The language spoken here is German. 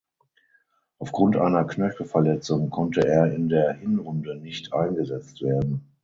Aufgrund einer Knöchelverletzung konnte er in der Hinrunde nicht eingesetzt werden.